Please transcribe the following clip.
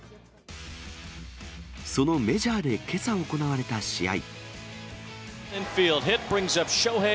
そのメジャーで、けさ行われた試合。